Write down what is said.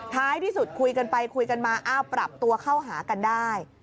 ท้ายที่สุดคุยกันไปคุยกันมาอ้าวปรับตัวเข้าหากันได้